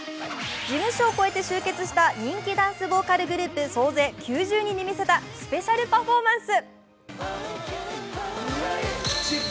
事務所を越えて集結した人気ダンスボーカルグループ、総勢９０人で見せたスペシャルパフォーマンス。